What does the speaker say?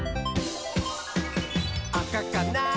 「あかかな？